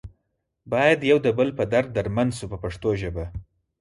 باید یو د بل په درد دردمند شو په پښتو ژبه.